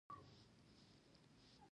راشه نو په هوټلو کې دې ورسره شپې کړي.